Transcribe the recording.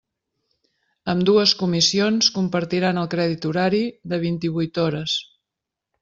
Ambdues comissions compartiran el crèdit horari de vint-i-huit hores.